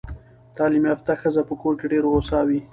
تعلیم یافته ښځه په کور کې ډېره هوسا وي.